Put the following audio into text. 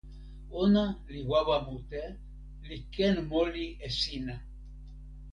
ona li wawa mute, li ken moli e sina!